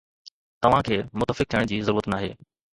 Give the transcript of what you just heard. توهان کي متفق ٿيڻ جي ضرورت ناهي.